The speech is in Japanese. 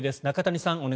中谷さん